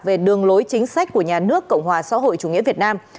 về đường lối chính sách của nhà nước cộng hòa xã hội chủ nghĩa việt nam